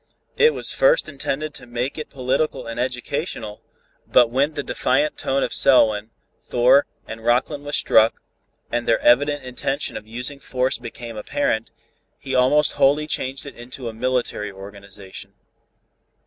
It was first intended to make it political and educational, but when the defiant tone of Selwyn, Thor and Rockland was struck, and their evident intention of using force became apparent, he almost wholly changed it into a military organization.